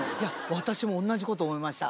私も同じこと思いました。